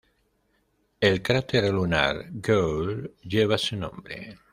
El cráter lunar Gould lleva su nombre.